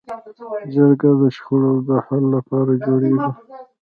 جرګه د شخړو د حل لپاره جوړېږي